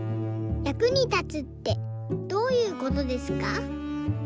役に立つってどういうことですか？」。